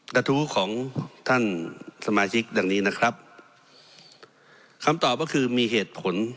กระทู้ของท่านสมาชิกดังนี้นะครับคำตอบก็คือมีเหตุผล